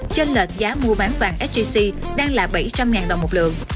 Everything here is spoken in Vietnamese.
trên lệch giá mua bán vàng sgc đang là bảy trăm linh đồng một lượng